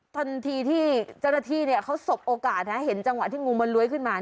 ทันทีที่เจ้าหน้าที่เขาสบโอกาสนะเห็นจังหวะที่งูมันเลื้อยขึ้นมา